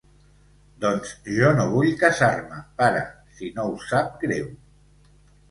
Doncs, jo no vull casar-me, pare, si no us sap greu.